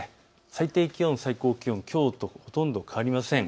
最低気温、最高気温、きょうとほとんど変わりません。